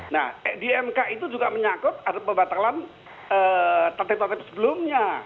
nah di mk itu juga menyangkut ada pembatalan tatib tatib sebelumnya